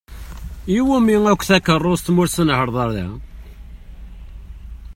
Iwumi-ak takeṛṛust ma ur tnehher-ḍ ara?